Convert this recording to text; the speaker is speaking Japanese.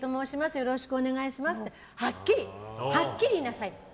よろしくお願いしますってはっきり言いなさいって。